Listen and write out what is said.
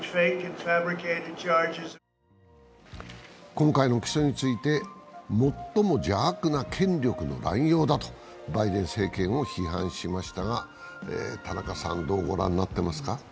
今回の起訴について最も邪悪な権力の乱用だとバイデン政権を批判しましたが、田中さんどうご覧になってますか？